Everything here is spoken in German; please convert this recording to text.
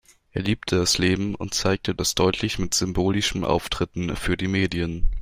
Er liebte das Leben und zeigte das deutlich mit symbolischen Auftritten für die Medien.